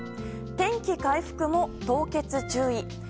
天気回復も凍結注意。